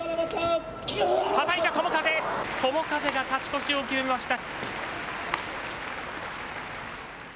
友風が勝ち越しを決めました。